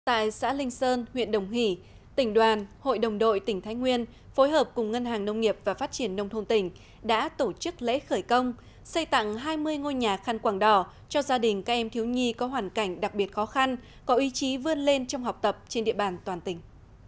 tại xã linh sơn huyện đồng hỷ tỉnh đoàn hội đồng đội tỉnh thái nguyên phối hợp cùng ngân hàng nông nghiệp và phát triển nông thôn tỉnh đã tổ chức lễ khởi công xây tặng hai mươi ngôi nhà khăn quảng đỏ cho gia đình các em thiếu nhi có hoàn cảnh đặc biệt khó khăn có ý chí vươn lên trong học tập trên địa bàn toàn tỉnh